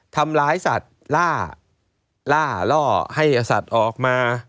ทำร้ายสัตว์ล่าล่าล่อให้สัตว์ออกมา